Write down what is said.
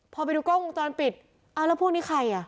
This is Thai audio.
พอไปดูกล้องวงจรปิดอ้าวแล้วพวกนี้ใครอ่ะ